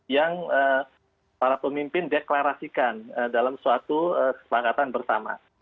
yang para pemimpin deklarasikan dalam suatu kesepakatan bersama